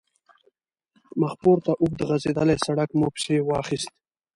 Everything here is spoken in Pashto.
مخپورته اوږد غځېدلی سړک مو پسې واخیست.